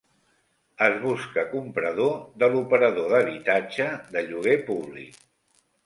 Es busca comprador de l'operador d'habitatge de lloguer públic.